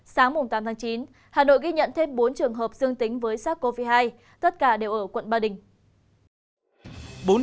sáng tám tháng chín hà nội ghi nhận thêm bốn trường hợp dương tính với sars cov hai tất cả đều ở quận ba đình